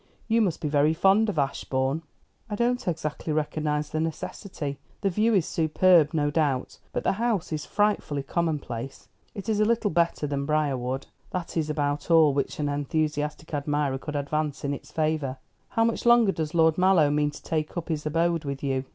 "You must be very fond of Ashbourne." "I don't exactly recognise the necessity. The view is superb, no doubt; but the house is frightfully commonplace. It is a little better than Briarwood. That is about all which an enthusiastic admirer could advance in its favour. How much longer does Lord Mallow mean to take up his abode with you?"